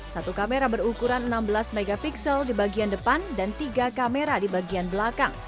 satu kamera berukuran enam belas mp di bagian depan dan tiga kamera di bagian belakang